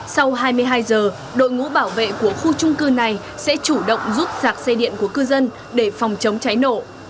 sau hai mươi hai giờ đội ngũ bảo vệ của khu trung cư này sẽ chủ động giúp giạc xe điện của cư dân để phòng chống cháy nổ